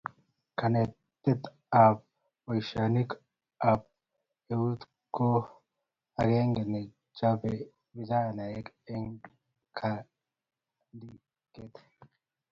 kanetee kab boisionik ab euu ku akenge nechobei vijanaek en kaandiket